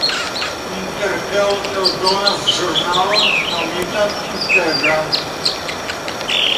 Intertel eldonas ĵurnalon nomitan "Integra".